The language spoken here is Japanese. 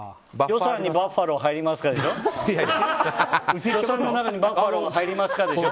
予算にバッファロー入りますかでしょ？